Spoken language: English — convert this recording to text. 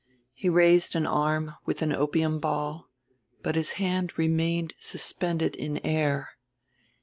He raised an arm with an opium ball, but his hand remained suspended in air.